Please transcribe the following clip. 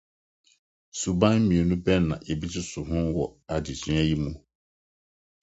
Suban mmienu bɛn na yebesusuw ho wɔ adesua yi mu?